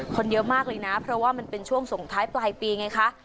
คนเยอะมากเลยนะเพราะว่ามันเป็นช่วงส่งท้ายปลายปีไงคะ